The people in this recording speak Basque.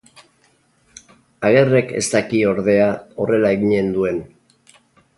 Agerrek ez daki, ordea, horrela eginen duen.